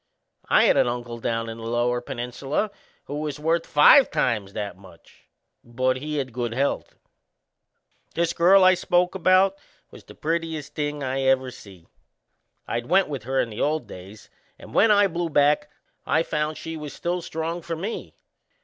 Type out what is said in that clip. I had an uncle down in the Lower Peninsula who was worth five times that much but he had good health! This girl I spoke about was the prettiest thing I ever see. I'd went with her in the old days, and when I blew back I found she was still strong for me.